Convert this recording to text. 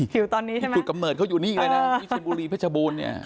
หิวตอนนี้ใช่ไหมคุณกำเมิดเขาอยู่นี่เลยนะวิเชียนบุรีพระชบูรณ์เนี่ย